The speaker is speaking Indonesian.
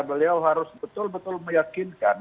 beliau harus betul betul meyakinkan